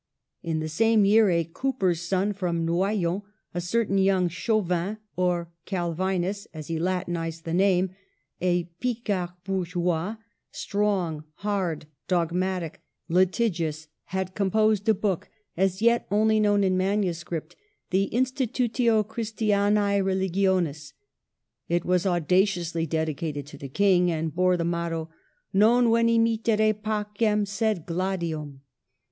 In the same year a cooper's son from Noyon, a certain young Chauvin (or Calvinus, as he latinized the name), a Picard bourgeois, strong, hard, dogmatic, litigious, had composed 144 MARGARET OF ANGOULEME. a book, as yet only known in manuscript, — the " Institutio Christianse Religionis." It was au daciously dedicated to the King, and bore the motto :" Non veni mittere pacem, sed gladium."